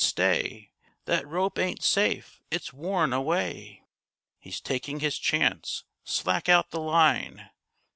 Stay! That rope ain't safe! It's worn away! He's taking his chance, Slack out the line!